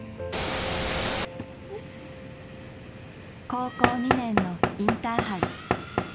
高校２年のインターハイ。